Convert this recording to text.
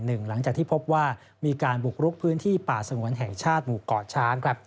หลังจากที่พบว่ามีการบุกรุกพื้นที่ป่าสงวนแห่งชาติหมู่เกาะช้าง